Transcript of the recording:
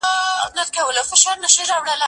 زه سبا ته فکر نه کوم،